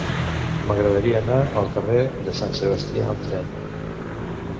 M'agradaria anar al carrer de Sant Sebastià amb tren.